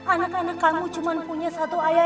anak anak kamu cuma punya satu ayah